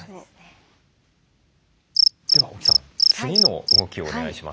では沖さん次の動きをお願いします。